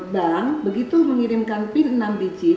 bank begitu mengirimkan pin enam biji